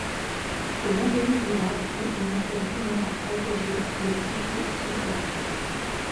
Le long des rives des lacs, vit une espèce vulnérable protégée, le pluvier siffleur.